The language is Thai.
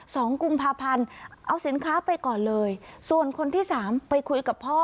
สองกุมภาพันธ์เอาสินค้าไปก่อนเลยส่วนคนที่สามไปคุยกับพ่อ